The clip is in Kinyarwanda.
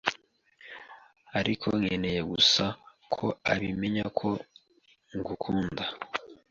Ariko nkeneye gusa ko ubimenya ko ngukunda